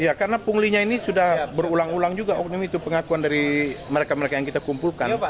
iya karena punglinya ini sudah berulang ulang juga oknum itu pengakuan dari mereka mereka yang kita kumpulkan